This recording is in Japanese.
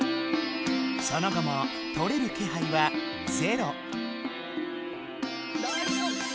その後もとれる気はいはゼロ！